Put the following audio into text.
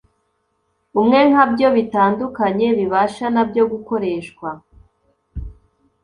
umwe nka byo bitandukanye bibasha na byo gukoreshwa